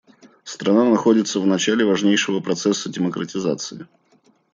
Страна находится в начале важнейшего процесса демократизации.